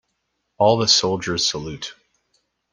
All the soldiers salute.